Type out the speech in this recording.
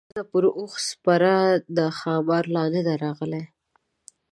ښځه پر اوښ سپره ده ښامار لا نه دی راغلی.